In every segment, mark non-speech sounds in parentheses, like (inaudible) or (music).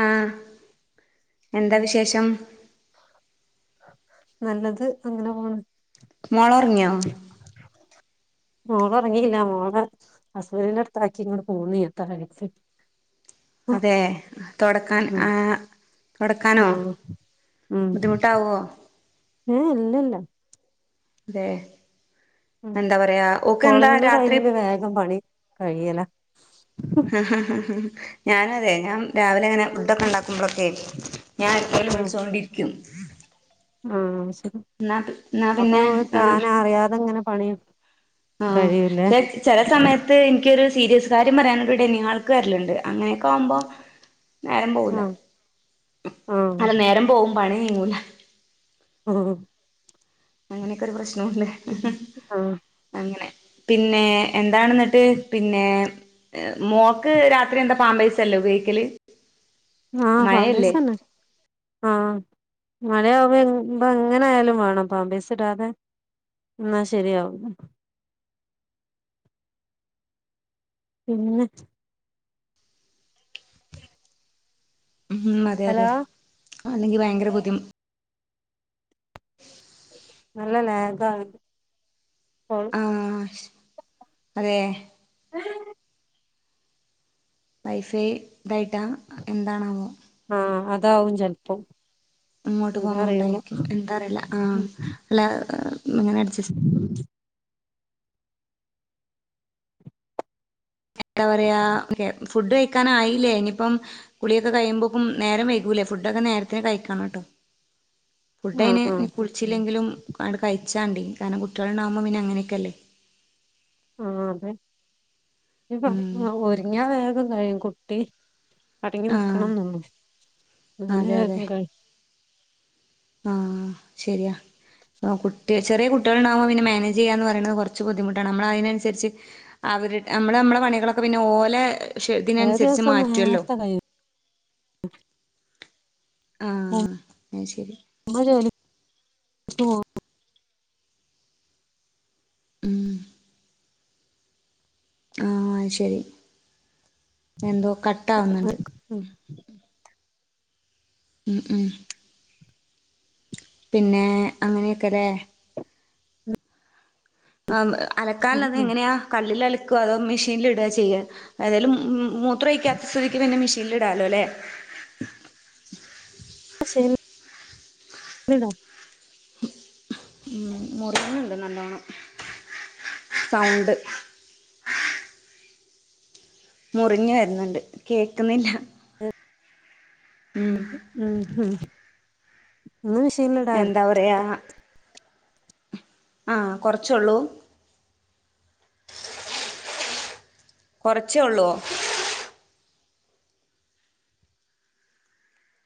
ആഹ എന്താ വിശേഷം നല്ലത് അങ്ങനെ പോണ് മോളോർഗോയു മോള ഉറങ്ങില്ല മോളെ ഹസ്ബന്ഡറിന്റെ അടുത്താക്കി ഇങ്ങെ പോന്നീ അതെ തുടക്കാൻ ഉം ആ കടക്കാനോ ആഹ് ബുദ്ധിമുട്ടാവുവോ ഹ ഇല്ലല്ല അതെ ഉം എന്താ പറയാ ഒക്കെ എന്താ രാത്രി കഴയല്ല ഹ് ഹ ഞാന അതെ ഞാൻ രാവിലെ അങ്ങനെ ഫുഡൊക്കെ ഉണ്ടാക്കുമ്പോഴൊക്കെ ഞാൻ എപ്പഴും വിളിച്ചോ കൊണ്ട ഇരിക്കും. ആ ശരി എന്നാ എന്നാ അപ്പൊ പിന്നെ താന അറിയാതെങ്ങനെ പണി ആഹ കഴിയൂല്ലേ പക്ഷെ ചില സമയത്ത് എനിക്കൊരു സീരിയസ് കാര്യം പറയാന ഇവിടനി ആൾക്കല്ലുണ്ട് അങ്ങനെയൊക്കെ ആവുമ്പോ നേരം പോവൂല ആഹ അല്ല നേരം പോവും പണി കയൂല ഹി ഉഹ അങ്ങനെയൊക്കെ ഒരു പ്രശ്നംണ്ട് ആഹ് അങ്ങനെ പിന്നെ എന്താണെന്നിട്ട് പിന്നെ മോക്ക് രാത്രി എന്താ പാമ്പൈസല്ലേ ഉപയോഗിക്കല് ആഹ് മഴയല്ലേ പമ്പസന ആഹ മഴയാവുമ്പോ എങ്ങനെ ആയാലും വേണം പാമ്പേസ് ഇടാതെ എന്ന ശരിയാവും പിന്നെ ഉം അതെയതെ ഹലോ അല്ലെങ്കിഭയങ്കര ബുദ്ധിമു നല്ല നേതാണ് ആഹ് ശ് അതെ വൈഫൈ തായിട്ടാ എന്താണാവോ താവും ചെൽപ്പം ഇങ്ങോട്ടു പോന്നോണ്ടായിരിക്കും എന്താ അറിയില്ല ആഹ് ഉം അല്ല ഇങ്ങനെ അഡ്ജസ്റ്റ് എന്താപറയാ ഫുഡ് കഴിക്കാറായില്ലേ ഇനിയിപ്പം കുളിയൊക്കെ കഴിയുമ്പോപ്പും നേരം വൈകൂലേ ഫുഡൊക്കെ നേരത്തിന് കഴിക്കണംട്ടോ ആഹ് ഫുഡതിന് ആഹ് കുളിച്ചില്ലെങ്കിലും ആണ്ട് കഴിച്ചാണ്ടി കാരണം കുട്ടികള്ണ്ടാകുമ്പോ പിന്നെ അങ്ങനെയൊക്കെയല്ലേ ആഹ് അതെ (unintelligible) ഉം ഒരുങ്ങിയാ വേഗം കഴിയും കുട്ടി ആഹ് അടങ്ങിനിക്കണംന്നുള്ളോ അല്ലങ്കി അതെ അതെ വേഗം കഴി ആഹ് ശരിയാ ആഹ് കുട്ടി ചെറിയ കുട്ടികള്ണ്ടാവുമ്പോ പിന്നെ മാനേജ് ചെയ്യാ എന്നുപറയണതു കൊറച്ചു ബുദ്ധിമുട്ടാണ് നമ്മള് അതിനനുസരിച്ച് അവരറ്റ് നമ്മള്നമ്മളെ പണികളൊക്കെ പിന്നെ ഓലേ ചെല പക്ഷേതിനനുസരിച്ച് ദിവസം മാറ്റുമല്ലോ നേരത്തെ കഴിയും (unintelligible) അത് ശരി മ്മജോലിക്കുപോവോ ഉം ആഹ് അഹ്ശരി എന്തോ കട്ടാവുന്നുണ്ട് ഉം ഉം ഉം പിന്നെ അങ്ങനെയൊക്കെലേ ആഹ് ഉം അലക്കാനുള്ളത് ഉം എങ്ങനെയാ കല്ലിലലക്കോ അതോ മെഷീൻല്ടാചെയ്യാ ഏതായാലും ഉം ഉം മൂത്രമൊഴിക്കാത്ത സ്ഥിതിക്ക് പിന്നെ മിഷീല്ല് ടാലോല്ലേ (unintelligible) ഉം മുറിയ്ന്ന്ണ്ട് നല്ലോണം സൗണ്ട് മുറിഞ് വെര്ന്ന്ണ്ട് കേക്ക്ന്നില്ല ഉം ഹും എന്താ പറയാ ആ കൊർച്ചൊള്ളൂ കൊർച്ചേള്ളോ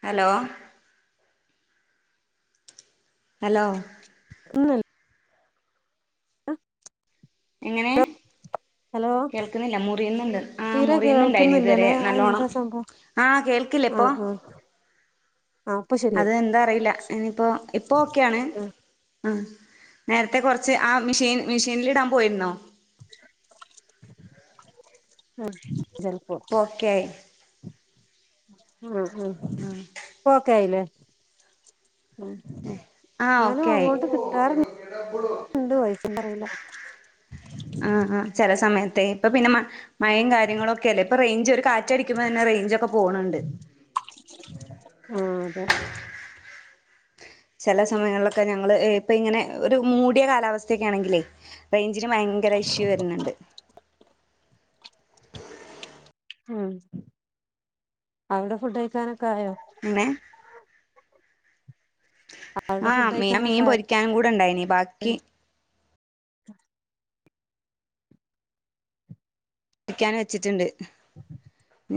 ഹലോ ഹലോ (unintelligible) എങ്ങനെ ഹലോ കേൾക്ക്ന്നില്ല മുറിയ്ന്ന്ണ്ട് ആ തീരെ മുറിയുന്നുണ്ടായിന്നു ഇതുവരെ കേൾക്കുന്നില്ലല്ലേ നല്ലോണം അതെന്താ സംഭവം ആ കേൾക്കില്ലേ ഇപ്പൊ ആഹ് ആഹ് ആഹ് ഇപ്പൊ അത് ശരിയായി എന്താറില്ല ഇനിയിപ്പോ ഇപ്പോ ഓക്കെയാണ് ആഹ് ആ നേരത്തെകൊർച്ച് ആ മിഷീൻ മിഷീനിലിടാൻ പോയിരുന്നോ ആ ചെൽപ്പോ ഇപ്പൊ ഓക്കെ ആയി ആ ആ ഇപ്പോക്കായിലേ ഉം ആ ന്നാലും ഓക്കെ ആയി അങ്ങോട്ട് കിട്ടാറ്ണ്ട് വൈസന്തറിയില്ല ആ ആ ചെല സമയത്തെ ഇപ്പൊ പിന്നെ മ മഴേ കാര്യങ്ങളൊക്കല്ലേ ഇപ്പൊറെയ്ഞ്ചൊരു കാ ടിക്കുമ്പോന്നെ റെയ്ഞ്ചൊക്കെ പോണ്ണ്ട് ആഹ് അതെ ചെല സമയങ്ങളിലൊക്കെ ഞങ്ങള് ഇപ്പൊങ്ങനെ ഒരു മൂട്യ കാലാവസ്ഥക്ക്യാണെങ്കിലേ റെയ് ഞ്ചിന് ഭയങ്കര ഇഷ്യു വെര്ണ് ണ്ട് ഉം അവിടെ ഫുഡ് കഴിക്കാനൊക്കെയായോ? അങ്ങനെ അവിടെ ആ ഫുഡ് മീ മീൻ കഴിക്കാനൊക്കെ പൊരിക്കാനും കൂടെ ഇണ്ടായിനീ ആയോ ബാക്കി ചിക്കൻ വെച്ച്ട്ട്ണ്ട്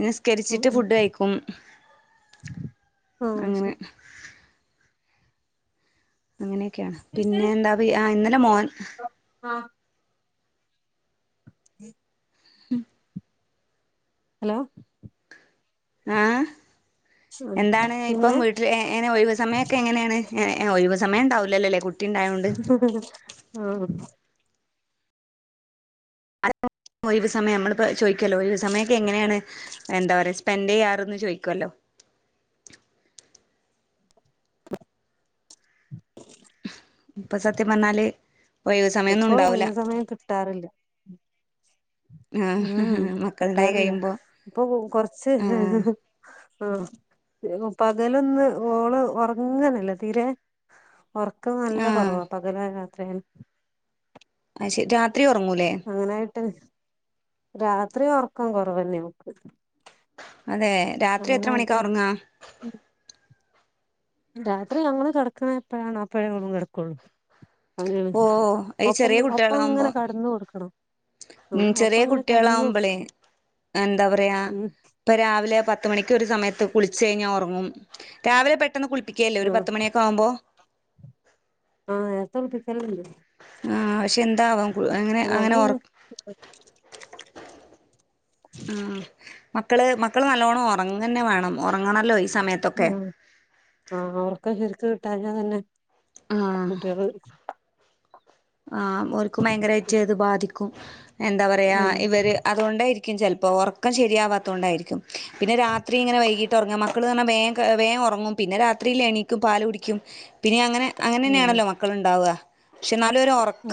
നിസ്കരിച്ചിട്ട് ഫുഡ് കഴിക്കും ആ അങ്ങനെ ശെരി. അങ്ങനെക്കെയാണ് പിന്നെ എന്താ ഇന്നലെ മോൻ മ്. ഹലോ? ആ ഉം എന്താണ് പ്പം പിന്നെ വീട്ട്ൽ ഏ എങ്ങനെ ഒഴിവ്സമയൊക്കെങ്ങനേണ്, ഏ ഒഴിവ് സമയംണ്ടാവൂലല്ലോ ലെ കുട്ടിണ്ടായോണ്ട്. ആ അലോ. ഒഴിവ് സമെയം അമ്മളിപ്പോ ചോയ്ക്കല്ലോ ഒഴിവ് സമയൊക്കെ എങ്ങനേണ്, എന്താ പറയാ സ്പെൻഡെയ്യാറ്ന്ന് ചോയിക്കല്ലോ ഇപ്പസത്യമ്പർഞ്ഞാല് ഇപ്പൊ ഒയിവ് സമയം കിട്ടാറില്ല്യ. ആ ഉം മക്കളുണ്ടായി കിട്ടാറില്ല കഴിയുമ്പോ പ്പൊ കൊറച്ച് ആ ആ പകലൊന്ന് ഓള് ഒറങ്ങെന്നില്ല തീരേ ഒറക്കം നല്ല ആ കൊറവാ പകലായാ രാത്രി ആയാലു (unintelligible) അങ്ങനെയിട്ട്, രാത്രി ഒറക്കം കൊറവല്ലേ ഓക്ക്. അതേ രാത്രി എത്ര മണിക്കാ അങ്ങനായിട്ട് ഒറങ്ങാ? രാത്രി ഞങ്ങള് കെടക്ക്ണെ എപ്പഴാണോ അപ്പഴേ ഓളും കെടക്കൊള്ളൂ. ഓ (inaudible) ഈ ഒപ്പ ചെറിയ കുട്ടികളാവുമ്പോ ഒപ്പങ്ങനെ കടന്ന് കൊട്ക്കണം. ഉം ചെറ്യേ കുട്ട്യേളാവുമ്പളേ ന്താ പറയാ ഉം ഇപ്പ രാവിലെ പ പത്ത് മണിക്ക് ഒര് സമെയത്ത് കുളിച്ച് കഴിഞ്ഞാ ഒറങ്ങും. രാവിലെ പെട്ടെന്ന് കുളിപ്പിക്കേല്ലേ ആ ഒരു പത്തുമണ്യോക്കെ ആവുമ്പോ? ആ നേര്ത്തുളിപ്പിക്കല്ണ്ട്. ആ ക്ഷെ എന്താവാം അങ്ങനെ അല്ലാതെ അങ്ങനെ ഒർ തന്നെ ഉം. മക്കള് മക്കള് നല്ലോണം ഒറങ്ങെന്നെ വേണം ഒറങ്ങണല്ലോ ല്. ആ ഒറക്ക ശെരിക്ക് കിട്ടാഞ്ഞാ തന്നെ കുട്ട്യേള് ആ ഓൽക്കും ഭയങ്കരായിറ്റ് അത് ബാധിക്കും. എന്താ പറയാ ഉം ഇവര്, അതോണ്ടായിർക്കും ചെലപ്പോ ഒറക്കം ശെരിയാവാത്തോണ്ടായിര്ക്കും. പിന്നെ രാത്രിങ്ങനെ വൈകി (inaudible) മക്കള് പറഞ്ഞാ വേം കെ വേം ഒറങ്ങും പിന്നെ രാത്രില് എണീക്കും പാല് കുടിക്കും പിന്നെ അങ്ങനെ ഉം അങ്ങനെന്നെയാണല്ലോ മക്കള്ണ്ടാവാ ക്ഷെന്നാലും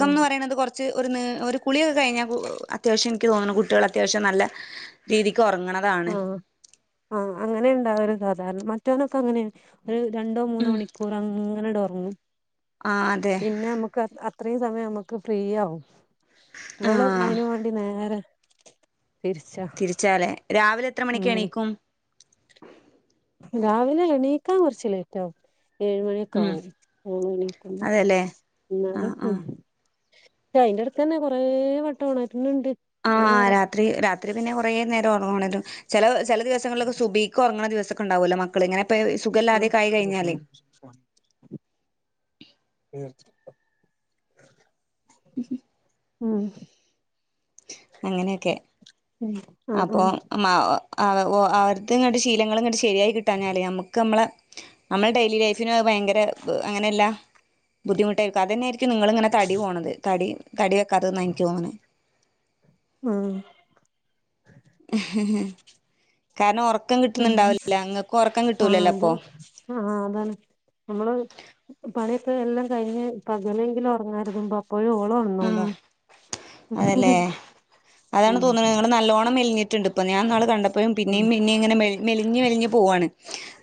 ഉം കൊറ ച്ച് ഒരു ന് കുളിയൊക്കെ കഴിഞ്ഞാ കു അത്യാവശ്യം ഇൻക്ക് തോന്ന്ണ് കുട്ട്യേൾ അത്യാവശ്യം നല്ല രീതി ആ ആ അങ്ങനേണ്ടാവല് സാധാരണ മറ്റോ നൊക്കെ അങ്ങനെ ഒരു രണ്ടോ മൂന്നോ ഉം മണിക്കൂറ അങ്ങനെട് ഒറങ്ങും. ആഹ് അതെ പിന്നെ അമ്മക്ക് അ അത്രേം സമയം അമ്മക്ക് ഫ്രീയാവും. ഇവള് ആഹ് അയിനുംവാണ്ടി നേരെ തിരിച്ചാ തിരിച്ചാലേ, രാവിലെ എത്ര മണിക്ക് ഉം എണീക്കും? രാവിലെ എണീക്കാൻ കൊറച്ച് ലേറ്റാവും. ഏഴ് മണ്യൊക്കെ ഉം ആവും ഓള് എണീക്കുമ്പോ അതെല്ലേ ന്നാലും ആഹ് ആഹ് അയിന്റെടുത്തെന്നെ കൊറേ വട്ടം ഒണര്ണിണ്ട് ആ രാത്രി രാത്രിപിന്നെ കൊറേ നേരഒണരും ചെല ചെല ദിവസങ്ങളിലൊക്കെ സുബിക്കൊർ ങ്ങ്ണ ദിവസ ക്കെണ്ടാവോല്ലോ മക്കള്ങ്ങനെ ആ. (inaudible) മ് അങ്ങനെക്കെ ഉം ആഹ് ആഹ് അപം മ വ് അ അവർതെങ്ങട് ശീലങ്ങളങ്ങട് ശീ ശെരിആയി കിട്ടാഞ്ഞാല് അമുക്ക് അമ്മള അമ്മള ഡെയ്ലി ലൈഫിനു അത് ഭയങ്കര അങ്ങനെല്ല ബുദ്ധിമുട്ടായ്ക്കും അതന്നെആയിരിക്കും നിങ്ങള് ങ്ങനെ തടി പോണത് തടി തടി വെക്കാത്തെ ന്നാ എനിക്ക്ഓന്ന്ണ് ആ കാരണം ഒറക്കം പിന്നെ കിട്ട്ണണ്ടാഊല ങ്ങക്ക് ഒറക്കം കിട്ടൂലല്ലോ പ്പൊ ന്നമ്മ്ള് പണിഒക്കെ എല്ലം കഴിഞ്ഞ് പകലെങ്കിലും ഒറങ്ങാര്തുമ്പം ആ അതലേ അതാണ് ഉം തോന്ന്ണ് ങ്ങള് ന്നല്ലോണം മെൽഞ്ഞി ട്ട്ണ്ട് പ്പം ഞാ ന്നാള് കണ്ടപ്പെഴും പിന്നെം ആഹ് പിന്നിം ങ്ങനെ മെൽ മെലിഞ് മെലിഞ്ഞു പോവാണ്,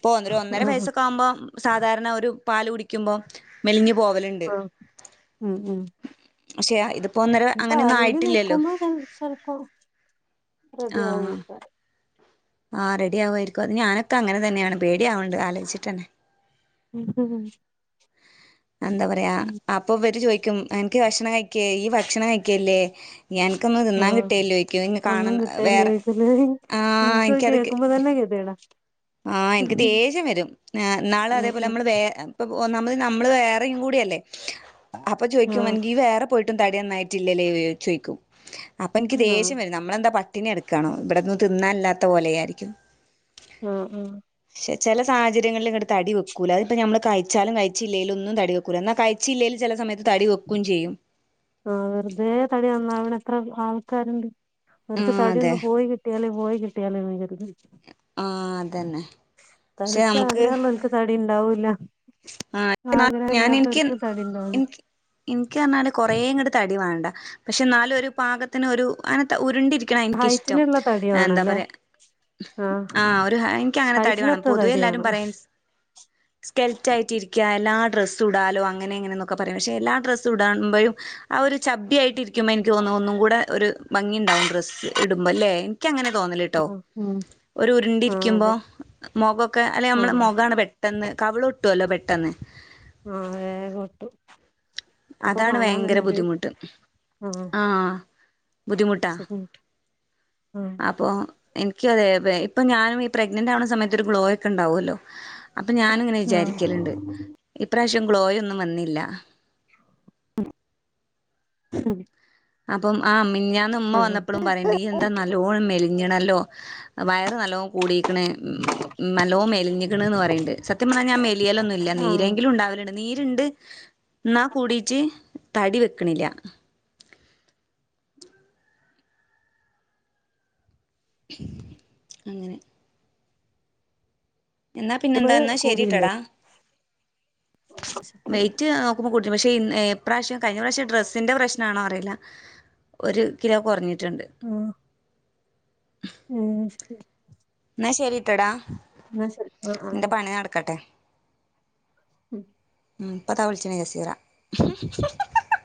പ്പൊ ഒര് ഒരൊന്നര ആഹ് വയസ്സൊക്കാ അമ്പം സാധാരണ ഒരു പാല് കുടിക്യുമ്പോ മെലിഞ് പോ ആ മ് മ് പക്ഷെ ഇതിപ്പോ ഒന്നര അങ്ങനെയൊന്നും പാലൂടി ആയിട്ടില്ലല്ലോ നിക്കുമ്പോ ചെൽ ചെൽപ്പൊ റെഡി ആഹ് (unintelligible) പേടിആവ്ണ്ട് ആലോയ്ചിട്ടന്നെ എന്താ പറയ്ക അപ്പംവര് ചോയ് ക്യും എൻക്ക് ഭഷണം കഴിക്കെ യ്യ് ഭക്ഷണം കഴിക്കേ ല്ല്യെ ഞാൻക്കൊന്നും തിന്നാം ആഹ് കിട്ടേല്ല്യേഓയ്ക്കും ഇങ് ഒന്നും കാണ്ന്ന വേറെ ആ ഇൻ ദ് കേക്കുമ്പോതന്നെ കെതിടാ ആ എൻക്ക് ദേഷ്യം വെരും ന്നാ ന്നാള് അതേപോലെ ഉം അമ്മള് വേ ങ്ക് പോ നമ്മ് നമ്മ്ള് വേറിം കൂടിയെല്ലെ, അപ്പം ചോയ്ക്കും ആഹ് നിനക്കീ വേറ പോയ്ട്ട് തടി അന്നായ്റ്റില്ലലേ ചോയ്ക്കും അപ്പൻക്ക് ആഹ് ദേഷ്യം വെരും ന്നമ്മളെന്താ പ ട്ടിണി കിടക്കാണോ വിടൊന്നും തിന്നാല്ലാത്ത പോലെ യാരിക്കും ആ ആ ക്ഷെ ചെല സാഹചര്യങ്ങളില് ങ്ങട്ട് തടി വെക്കൂല അത്പ്പം ഞമ്മള് കഴ്ചാലും കഴ്ച്ചില്ലേലും ഒന്നും തടി വെക്കൂല ന്നാ കഴിച്ചില്ലേലും ചെല സമയത്ത് തടി വെക്കും ചെയ്യും ആ വെർതേ തടി ന്നന്നാവ്ണ എത്ര ആൾക്കാര്ണ്ട് അവർക്ക് ആഹ് അതെ തടിഒന്ന് പോയി കിട്ടിയാല് പോയി കിട്ടിയാല്ന്ന് കര്തും ആ അതന്നെ ക്ഷെ, തടിക്ക് അമുക്ക് ആഗ്രഹമുള്ളവർക്ക് തടി ഉണ്ടാവൂല്ല ആ ന്നാ ആഗ്രഹം ഞാൻ ഇൻക്കിൻ ഇല്ലാത്തവർക്ക് തടി ഉണ്ടാവും ഇൻകി ഇൻക്ക് അർഞ്ഞാല് കൊറെ ങ്ങട്ട് തടി വാണ്ട പക്ഷെ ന്നാലു ഒരു പാകത്തിന് ഒരു അങ്നത്തെ ഉരുണ്ടിപ്പ് രിക്ക്ണാ എൻക്കിഷ്ടം ഹൈറ്റിനുള്ള തടി എന്താ വേണല്ലേ പറയാ ആ ഒരു ഹെനിക്ക് അങ്ങനെ തടി വേണം ഹൈറ്റിനൊത്ത പൊതുവെ തടി എല്ലാരും വേണം പറയും സ്റ്റെ ഫിറ്റായ്റ്റിരിക്കാ എല്ലാ ഡ്രസ്സു ടാലോ അങ്ങനെ ങ്ങനെന്നൊക്കെ പറയും പക്ഷെ എല്ലാ ഡ്രസ്സു ടാ ൺമ്പഴും ആ ഒര് ചബ്ബി ആയിട്ടിരിക്കുമ്പോ എനിക്ക് തോന്നും ഒന്നും കൂടെ ഒരു ഭംഗിണ്ടാവും ഡ്രസ്സ് ഇടുമ്പം ല്ലേ ക്കി അങ്ങനെ തോന്നല് ട്ടോ ആ ഉം ഒരു ആ ഉരുണ്ടിരിക്യുമ്പോ അതെ മൊഖൊക്കെ അല്ലെ ആ അമ്മളെ മൊഖാണ് പെട്ടെന്ന് ളൊട്ടുല്ലോ പെട്ടെന്ന് ആ വേഗം ഒട്ടും അപ്പൊ അതാണ് കാണാൻ വയങ്കര തന്നൊരു ബുദ്ധിമുട്ട് ആ ബുദ്ധിമുട്ടാ സുഖണ്ട് ആ അപം എൻ ക്യു അതേ പ്പേ ഇപ്പം ഞാനും ഈ പ്രഗ്നന്റ് ആവ്ണ സമയത്ത് ഒരു ഗ്ലോയൊക്കെ ഇണ്ടാവല്ലോ അപ്പം ഞാാനുങ്ങനെ ആ വിചാരിക്കല്ണ്ട് ഇപ്രാവ്ശ്യം ഗ്ലോയൊന്നും വന്നില്ല മ് അപം ആ മിഞാന്ന് ഉമ്മ വന്നപ്പളും പറീണ്ട് യ്യ് എന്താ ന്നല്ലോണം മേൽ ഞിണല്ലോ വയറ് ന്നല്ലോം കൂടി ക്ക്ണ് (unintelligible) ന്നല്ലോം മെൽഞിക്ക്ണ് ന്ന് പറീണ്ട് സത്യം പർഞ്ഞാ ഞാം മെലിയലൊന്നുല്ല ആ ആ ന്നീരെങ്കിലും ണ്ടാവല്ണ്ട് ന്നി ഈര്ണ്ട് ന്നാ കൂടീട്ട് തടി വെക്ക്ണില്ല അങ്ങനെ എന്നാ പിന്നെന്താ ഇന്നാ കൂടിയില്ലേ ശരിട്ടടാ വെയിറ്റ് നോക്കുമ്പോ പക്ഷെ ഇന്ന് ഈ ഇപ്രാവശ്യം കഴിഞ പ്രവിശ്യം ഡ്രസ്സിന്റെ പ്രശ്നാണോ അറില്ല ഒരു കിലോ കൊറഞ് റ്റ്ണ്ട് മ്മ് ന്നാ ശരിട്ടടാ ആ ആ നിന്റെ പണി നടക്കട്ടെ (unintelligible) മ് പ്പതാ വിളിച്ച്ണ് ജസീറ മ് ഹ ഹ ഹ